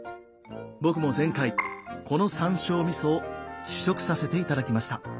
僕も前回この山椒みそを試食させていただきました。